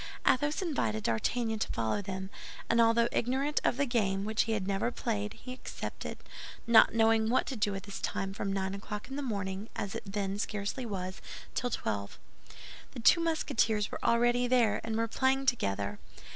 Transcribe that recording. Athos invited D'Artagnan to follow them; and although ignorant of the game, which he had never played, he accepted, not knowing what to do with his time from nine o'clock in the morning, as it then scarcely was, till twelve. The two Musketeers were already there, and were playing together.